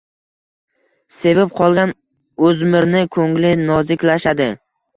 Sevib qolgan o'zmirni ko‘ngli noziklashadi.